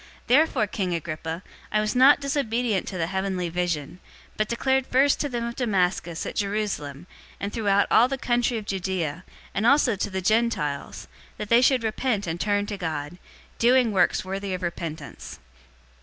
026:019 "Therefore, King Agrippa, I was not disobedient to the heavenly vision, 026:020 but declared first to them of Damascus, at Jerusalem, and throughout all the country of Judea, and also to the Gentiles, that they should repent and turn to God, doing works worthy of repentance.